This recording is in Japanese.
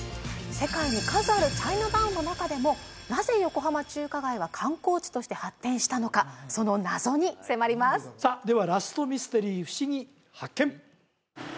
世界に数あるチャイナタウンの中でもなぜ横浜中華街は観光地として発展したのかその謎に迫りますさあではラストミステリーふしぎ発見！